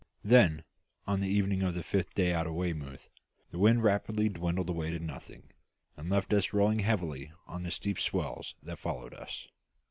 Then on the evening of the fifth day out from Weymouth the wind rapidly dwindled away to nothing, and left us rolling heavily on the steep swell that followed us.